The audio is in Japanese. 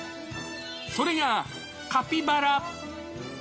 それがカピバラ。